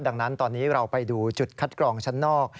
ดังนั้นตอนนี้เราไปดูจุดคัดกรองชั้นนอก